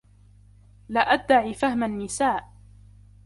لا أدعي فهم النساء.